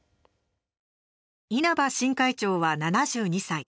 稲葉新会長は７２歳。